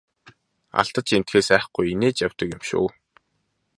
Алдаж эндэхээс айхгүй инээж явдаг юм шүү!